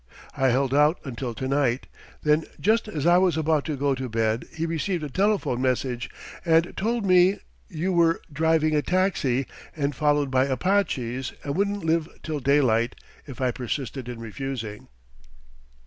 I held out until tonight; then just as I was about to go to bed he received a telephone message, and told me you were driving a taxi and followed by Apaches and wouldn't live till daylight if I persisted in refusing."